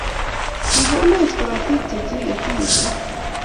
Kikonech karatit che chiket si kesab